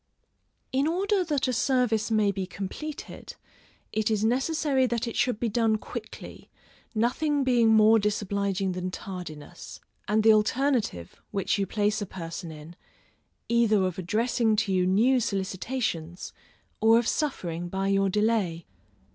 In order that a service may be completed, it is necessary that it should be done quickly, nothing being more disobliging than tardiness, and the alternative, which you place a person in, either of addressing to you new solicitations, or of suffering by your delay.